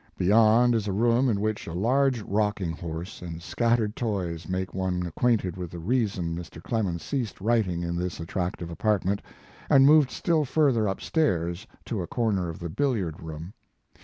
Beyond is a room in which a large rocking horse and scattered toys make one acquainted with the reason Mr. Clemens ceased writing in this at tractive apartment and moved still further up stairs to a corner of the billiard room.